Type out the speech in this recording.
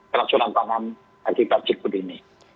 keracunan tanam akibat jikbud ini